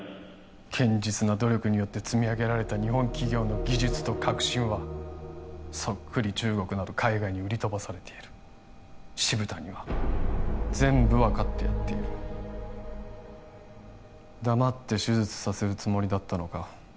堅実な努力によって積み上げられた日本企業の技術と革新はそっくり中国など海外に売り飛ばされている渋谷は全部分かってやっている黙って手術させるつもりだったのか？